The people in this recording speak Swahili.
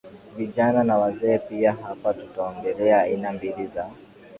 vijana na wazee piaHapa tutaongelea aina mbili za